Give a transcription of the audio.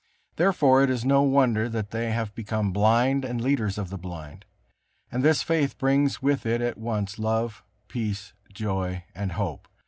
Therefore it is no wonder that they have become blind and leaders of the blind. And this faith brings with it at once love, peace, joy and hope.